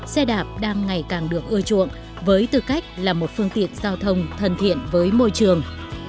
xe đạp đang ngày càng được ưa chuộng với tư cách là một phương tiện giao thông thân thiện với môi trường